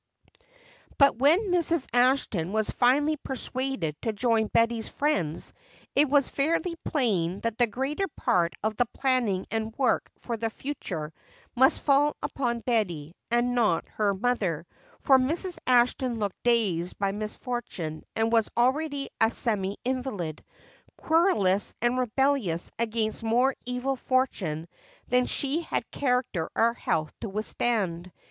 But when Mrs. Ashton was finally persuaded to join Betty's friends, it was fairly plain that the greater part of the planning and work for the future must fall upon Betty and not her mother, for Mrs. Ashton looked dazed by misfortune and was already a semi invalid, querulous and rebellious against more evil fortune than she had character or health to withstand.